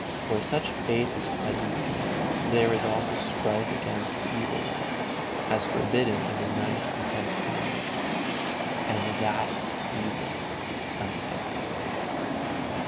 Where such faith is present there is also strife against the evil lust, as forbidden in the Ninth and Tenth Commandments, and that even unto death.